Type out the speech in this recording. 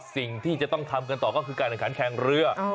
สิ่งที่จะต้องทำกันต่อก็คือการแข่งขันแข่งเรือ